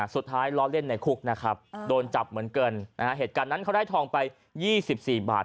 สุดท้ายล้อเล่นในคุกนะครับโดนจับเหมือนเกินนะฮะเหตุการณ์นั้นเขาได้ทองไปยี่สิบสี่บาท